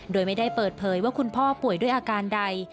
โดยไม่ได้เปิดเผยว่าคุณพ่อป่วยด้วยอาการใด